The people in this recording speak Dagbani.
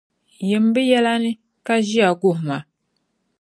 Yim bɛ yɛla ni, ka ʒiya guhima.